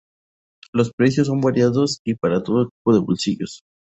Los precios son variados y para todo tipo de bolsillos.